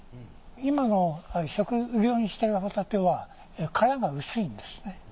今の食用にしてるホタテは殻が薄いんですね。